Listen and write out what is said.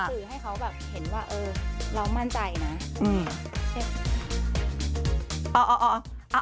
เพราะว่าเขาเห็นว่าเรามั่นใจนะ